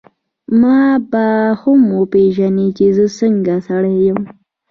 ما به هم وپېژنې چي زه څنګه سړی یم.